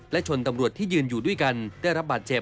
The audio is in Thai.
และชนตำรวจที่ยืนอยู่ด้วยกันได้รับบาดเจ็บ